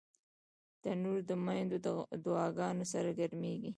تنور د میندو دعاګانو سره ګرمېږي